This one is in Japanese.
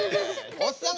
おっさん